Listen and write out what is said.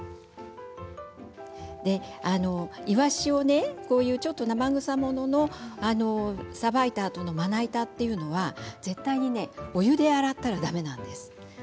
イワシをちょっと生臭もののさばいたあとのまな板というのは絶対に、お湯で洗ったらだめなんです。